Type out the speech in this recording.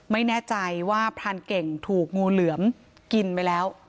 ไม่แน่ใจว่าพรานเก่งถูกงูเหลือมกินไปแล้ว